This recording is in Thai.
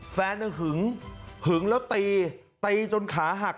แฟนหึงหึงแล้วตีตีจนขาหัก